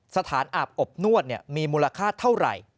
สถานอาบอบนวดมีมูลค่าเท่าไหร่